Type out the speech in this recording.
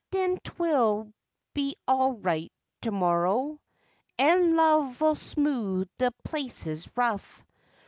But den 'twill be all right tomorrow, An' love'll smoove de places rough.